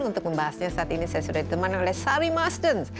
untuk membahasnya saat ini saya sudah diteman oleh sari masdens